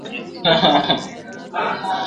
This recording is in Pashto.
چي اسمان پر تندي څه درته لیکلي ..